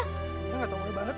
dia nggak tau dia banget ya